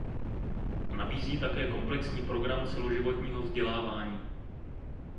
Nabízí také komplexní program celoživotního vzdělávání.